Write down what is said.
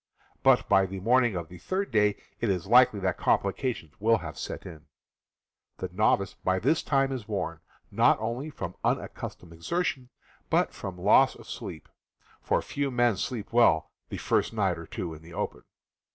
But by the morning of the third day it is likely that complications will have set in. The novice by this time is worn, not only from unaccustomed exertion, but from loss of sleep — for few men sleep well the first night or two in the open.